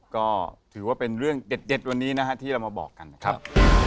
ก็ถือว่าเป็นเรื่องเด็ดวันนี้นะฮะที่เรามาบอกกันนะครับ